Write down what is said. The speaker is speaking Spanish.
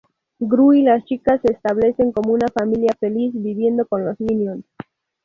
Gru y las chicas se establecen como una familia feliz, viviendo con los minions.